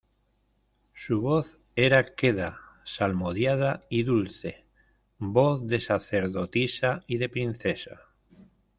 su voz era queda, salmodiada y dulce , voz de sacerdotisa y de princesa.